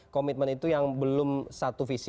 komitmen itu yang belum satu visi